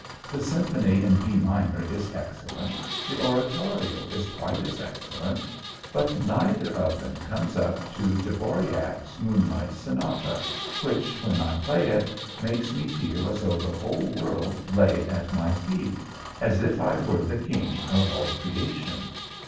The Symphony in B Minor is excellent, the Oratorio is quite as excellent, but neither of them comes up to Dboriak's Moonlight Sonata, which, when I play it, makes me feel as though the whole world lay at my feet as if I were the King of all creation.